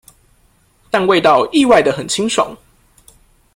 但味道意外地很清爽